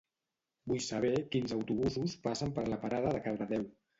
Vull saber quins autobusos passen per la parada de Cardedeu.